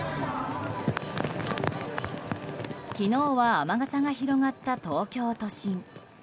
昨日は雨傘が広がった東京都心。